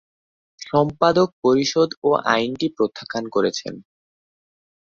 সম্পাদক পরিষদ এ আইনটি প্রত্যাখ্যান করেছে।